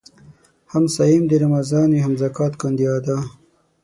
هم صايم د رمضان وي هم زکات کاندي ادا